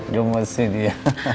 gemes sih dia